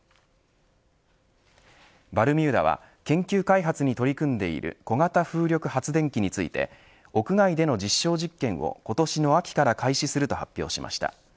バルミューダは研究開発に取り組んでいる小型風力発電機について屋外での実証実験を今年の秋から開始すると発表しました。